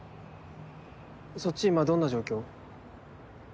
そっち今どんな状況？